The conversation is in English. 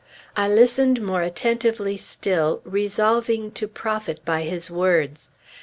I listened more attentively still, resolving to profit by his words....